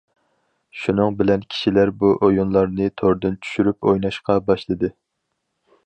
شۇنىڭ بىلەن كىشىلەر بۇ ئويۇنلارنى توردىن چۈشۈرۈپ ئويناشقا باشلىدى.